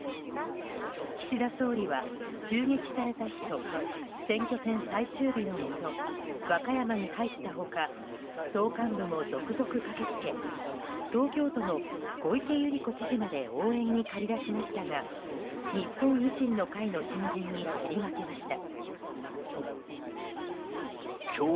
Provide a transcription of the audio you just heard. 岸田総理は襲撃された日と選挙戦最終日の２度和歌山に入った他党幹部も続々駆け付け東京都の小池百合子知事まで応援に駆り出しましたが日本維新の会の新人に競り負けました。